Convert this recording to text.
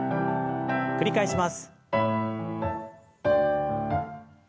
繰り返します。